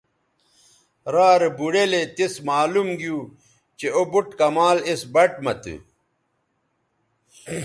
را رے بوڑیلے تس معلوم گیو چہء او بُٹ کمال اِس بَٹ مہ تھو